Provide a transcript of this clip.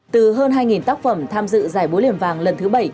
từ hơn hai tác phẩm tham dự giải búa liềm vàng lần thứ bảy